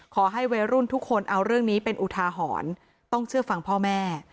ขอให้วัยรุ่นทุกคนเอาเรื่องนี้เป็นอุทาหรณ์ต้องเชื่อฟังพ่อแม่